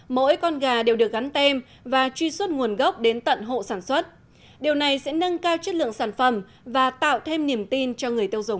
mỗi con gà đều được gắn tem và truy xuất nguồn gốc đến tận hộ sản xuất điều này sẽ nâng cao chất lượng sản phẩm và tạo thêm niềm tin cho người tiêu dùng